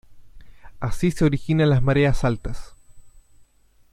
Así se originan las mareas altas.